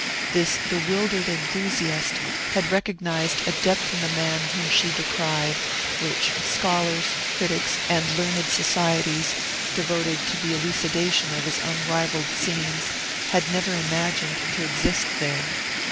This bewildered enthusiast had recognized a depth in the man whom she decried, which scholars, critics, and learned societies, devoted to the elucidation of his unrivalled scenes, had never imagined to exist there.